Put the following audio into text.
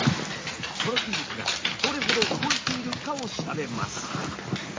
この筋肉がどれほど動いているかを調べます。